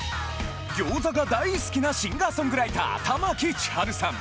餃子が大好きなシンガーソングライター玉城ちはるさん